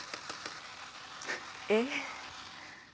えっ？